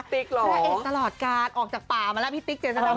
พระเอกตลอดการด์ออกจากป่ามาแล้วพี่ติ๊กเจนซะทั้งหมด